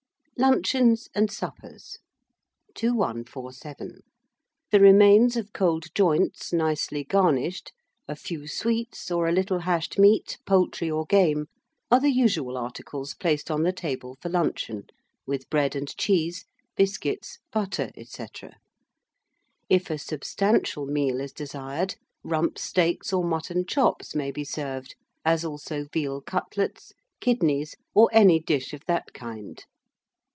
LUNCHEONS AND SUPPERS. 2147. The remains of cold joints, nicely garnished, a few sweets, or a little hashed meat, poultry or game, are the usual articles placed on the table for luncheon, with bread and cheese, biscuits, butter, &c. If a substantial meal is desired, rump steaks or mutton chops may he served, as also veal cutlets, kidneys, or any dish of that kind.